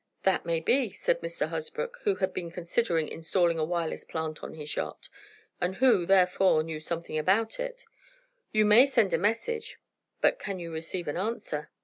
"That may be," said Mr. Hosbrook, who had been considering installing a wireless plant on his yacht, and who, therefore, knew something about it, "you may send a message, but can you receive an answer?"